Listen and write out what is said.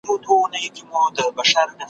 له یوه اړخه پر بل را اوښتله ,